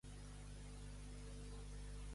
Gràcies a qui va sobreviure Nítctim?